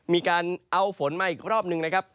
มีการเอาฝนมาอีกรอบหนึ่งนะครับ